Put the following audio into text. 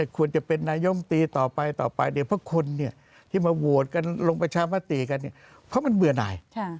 ควรจะเป็นนายมตีต่อไปเพราะคนที่มาโหวตกันลงประชามาตีกันเพราะมันเมื่อไหน